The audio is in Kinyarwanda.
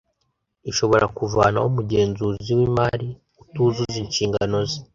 ishobora kuvanaho umugenzuzi w imari utuzuza inshingano ze